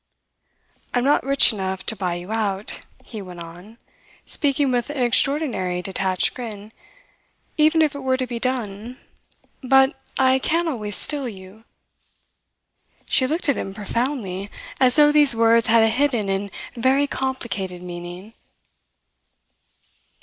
"I am not rich enough to buy you out," he went on, speaking with an extraordinary detached grin, "even if it were to be done; but I can always steal you." She looked at him profoundly, as though these words had a hidden and very complicated meaning.